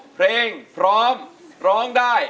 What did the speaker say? เพลงพร้อมร้องได้